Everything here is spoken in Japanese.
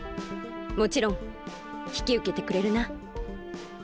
もちろんひきうけてくれるな？